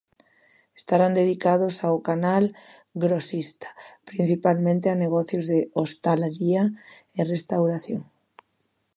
Estarán dedicados ao canal grosista, principalmente a negocios de hostalaría e restauración.